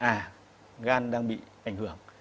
à gan đang bị ảnh hưởng